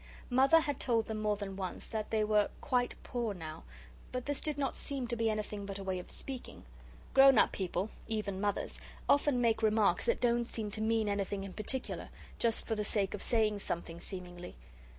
Mother had told them more than once that they were 'quite poor now,' but this did not seem to be anything but a way of speaking. Grown up people, even Mothers, often make remarks that don't seem to mean anything in particular, just for the sake of saying something, seemingly.